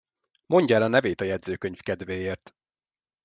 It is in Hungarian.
Mondja el a nevét a jegyzőkönyv kedvéért!